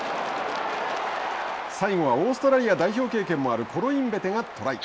最後はオーストラリア代表経験もあるコロインベテがトライ。